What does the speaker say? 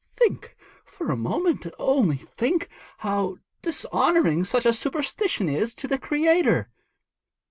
'Think for a moment, only think, how dishonouring such a superstition is to the Creator.'